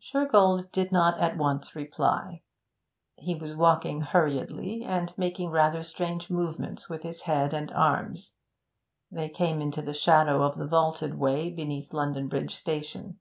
Shergold did not at once reply. He was walking hurriedly, and making rather strange movements with his head and arms. They came into the shadow of the vaulted way beneath London Bridge Station.